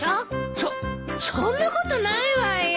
そっそんなことないわよ。